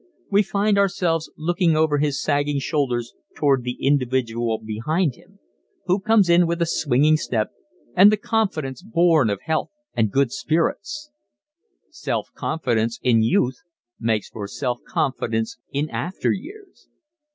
We find ourselves looking over his sagging shoulders toward the individual behind him who comes in with a swinging step and the confidence born of health and good spirits. Self confidence in youth makes for self confidence in after years.